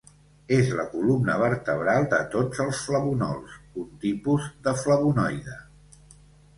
És la columna vertebral de tots els flavonols, un tipus de flavonoide.